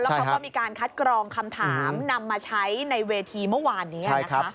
เขาก็มีการคัดกรองคำถามนำมาใช้ในเวทีเมื่อวานนี้นะคะ